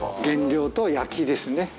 原料と焼きですね。